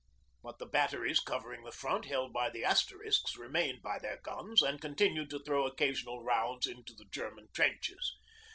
But the batteries covering the front held by the Asterisks remained by their guns and continued to throw occasional rounds into the German trenches.